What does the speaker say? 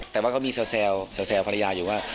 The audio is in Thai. แต่ว่าก็มีแซวภรรยาอยู่ว่า